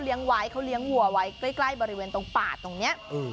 เลี้ยงไว้เขาเลี้ยงหัวไว้ใกล้ใกล้บริเวณตรงป่าตรงเนี้ยอืม